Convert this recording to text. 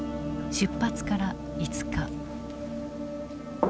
出発から５日。